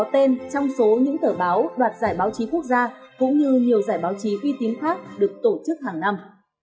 có tên trong số những tờ báo đoạt giải báo chí quốc gia cũng như nhiều giải báo chí uy tín khác được tổ chức hàng năm